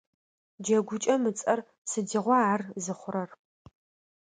Джэгукӏэм ыцӏэр: «Сыдигъуа ар зыхъурэр?».